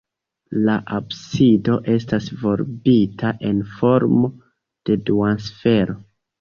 La absido estas volbita en formo de duonsfero.